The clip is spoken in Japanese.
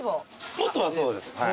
元はそうです。